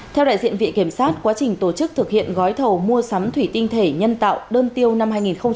theo đại diện viện kiểm sát quá trình tổ chức thực hiện gói thầu mua sắm thủy tinh thể nhân tạo đơn tiêu năm hai nghìn một mươi tám